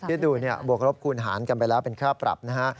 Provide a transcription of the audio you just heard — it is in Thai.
คิดดูบวกรบคูณหารกันไปแล้วเป็นค่าปรับนะฮะ